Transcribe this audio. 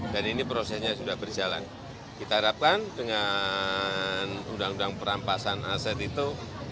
dan ini prosesnya sudah berjalan kita harapkan dengan ruu perampasan aset itu